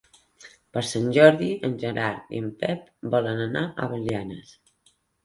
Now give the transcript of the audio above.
Per Sant Jordi en Gerard i en Pep volen anar a Belianes.